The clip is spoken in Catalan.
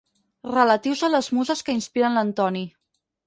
Relatius a les muses que inspiren l'Antoni.